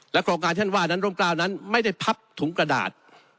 โครงการท่านว่านั้นร่มกล้าวนั้นไม่ได้พับถุงกระดาษ